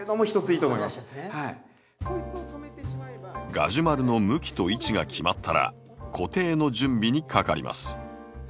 ガジュマルの向きと位置が決まったら固定の準備にかかります。